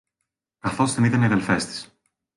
Καθώς την είδαν οι αδελφές της